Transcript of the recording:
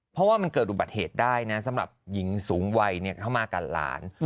เพราะว่ามันเกิดอุบัติเหตุได้นะสำหรับหญิงสูงวัยเข้ามากับหลาน